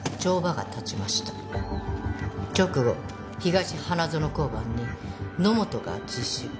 直後東花園交番に野本が自首。